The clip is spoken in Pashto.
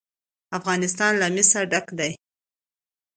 افغانستان له مس ډک دی.